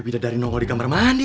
tapi tidak dari nongol di kamar mandi